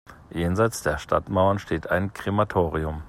Jenseits der Stadtmauern steht ein Krematorium.